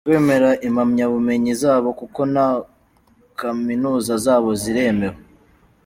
Kwemera impamyabumenyi zabo kuko na kaminuza zabo ziremewe.